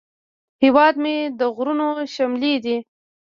هیواد مې د غرونو شملې دي